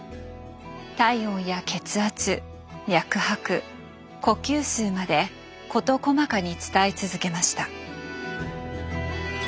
体温や血圧脈拍呼吸数まで事細かに伝え続けました。